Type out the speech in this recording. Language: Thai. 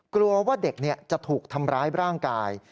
กลัวว่าเด็กจะถูกทำร้ายร่างกาย